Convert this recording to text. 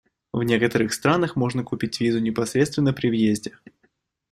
В некоторых странах можно купить визу непосредственно при въезде.